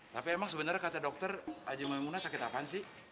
tapi emang sebenernya kata dokter ajem maimunah sakit apaan sih